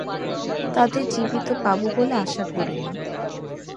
তাদের জীবিত পাবো বলে আশা করিনি।